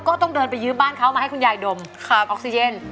ก็ต้องเดินไปยื้อบ้านเขามาให้คุณยายดมขาดออกซิเจน